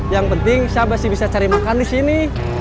yang penting siapa sih bisa cari makan disini